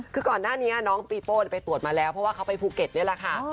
คือก่อนหน้านี้น้องปีโป้ไปตรวจมาแล้วเพราะว่าเขาไปภูเก็ตนี่แหละค่ะ